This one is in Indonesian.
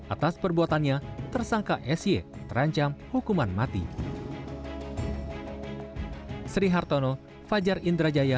atas perbuatannya tersangka s y terancam hukuman mati